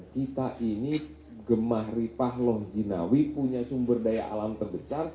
kita ini gemah ripah loh jinawi punya sumber daya alam terbesar